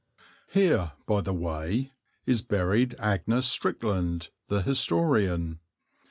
Here, by the way, is buried Agnes Strickland, the historian.